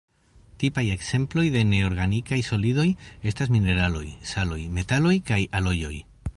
Tipaj ekzemploj de neorganikaj solidoj estas mineraloj, saloj, metaloj kaj alojoj.